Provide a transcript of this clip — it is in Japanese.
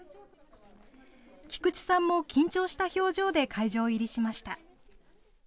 菊池さんも緊張した表情で会場入りしました。